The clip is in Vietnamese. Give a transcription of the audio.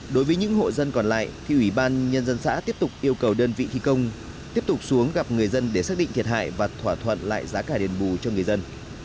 đối với những hộ dân còn lại thì ủy ban nhân dân xã tiếp tục yêu cầu đơn vị thi công tiếp tục xuống gặp người dân để xác định thiệt hại và thỏa thuận lại giá cả đền bù cho người dân